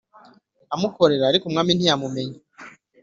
Amukorera ariko umwami ntiyamumenya.